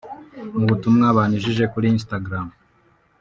Mu butumwa banyujije kuri Instagram